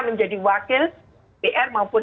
menjadi wakil pr maupun